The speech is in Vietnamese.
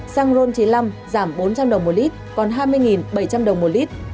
xăng ron chín mươi năm giảm bốn trăm linh đồng một lít còn hai mươi bảy trăm linh đồng một lít